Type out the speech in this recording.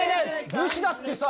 武士だってさ